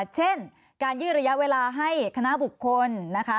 เช่นการยืดระยะเวลาให้คณะบุคคลนะคะ